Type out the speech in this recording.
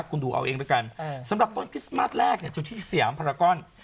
คุณดูเอาเองด้วยกันสำหรับต้นคริสต์มาสแรกอยู่ที่สยามภารกร